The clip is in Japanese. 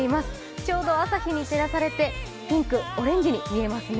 ちょうど朝日に照らされてピンク、オレンジに見えますね。